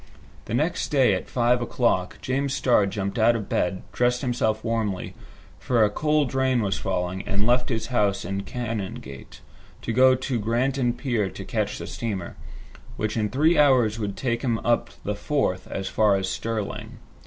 The next day, at five o'clock, James Starr jumped out of bed, dressed himself warmly, for a cold rain was falling, and left his house in the Canongate, to go to Granton Pier to catch the steamer, which in three hours would take him up the Forth as far as Stirling.